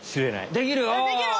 できるお！